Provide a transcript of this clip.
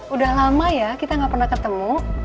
udah lama ya kita gak pernah ketemu